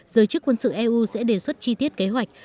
giới chức quân sự eu sẽ đề xuất chi tiết kế hoạch